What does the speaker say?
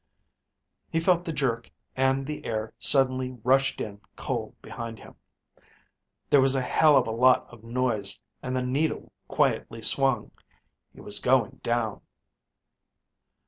He felt the jerk and the air suddenly rushed in cold behind him. There was a hell of a lot of noise and the needle quietly swung.... He was going down!